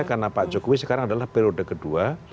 karena pak jokowi sekarang adalah periode kedua